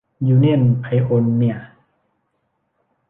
ยูเนี่ยนไพโอเนียร์